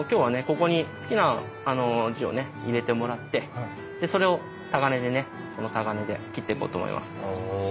ここに好きな字を入れてもらってそれを鏨でねこの鏨で切っていこうと思います。